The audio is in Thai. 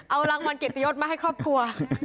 เอารางวัลเกียรติยศมาให้ครอบครัว